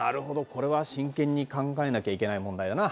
これは真剣に考えなきゃいけない問題だな。